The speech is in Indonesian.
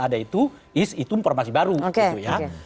ada itu is itu informasi baru oke